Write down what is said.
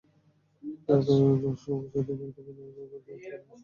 অথচ সওজ কর্তৃপক্ষ এটি পুনঃ মেরামতে কোনো ব্যবস্থাই গ্রহণ করছে না।